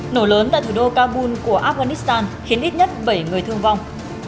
nổ lớn tại thủ đô kabul của afghanistan khiến ít nhất bảy người thương vong